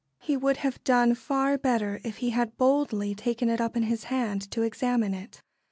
He would have done far better if he had boldly taken it up in his hand to examine it.